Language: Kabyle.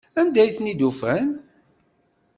Anda ay ten-id-ufan?